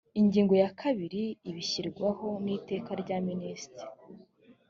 ingingo ya kabiri ibishyirwaho n’iteka rya minisitiri